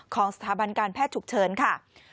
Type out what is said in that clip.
ของสถาบันการแพทย์ฉุกเฉินค่ะ